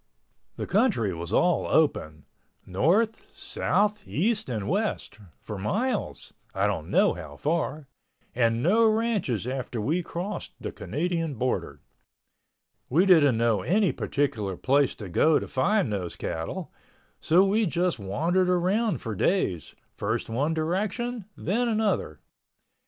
The country was all open—north, south, east and west—for miles (I don't know how far) and no ranches after we crossed the Canadian border. We didn't know any particular place to go to find those cattle, so we just wandered around for days, first one direction, then another.